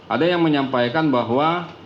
ada yang menyampaikan bahwa